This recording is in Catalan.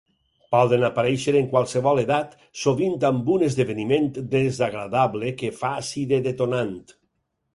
Poden aparèixer en qualsevol edat, sovint amb un esdeveniment desagradable que faci de detonant.